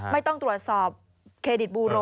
ไม่ต้องตรวจสอบเครดิตบูโร